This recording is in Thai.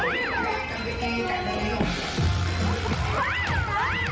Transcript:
นี่นี่นี่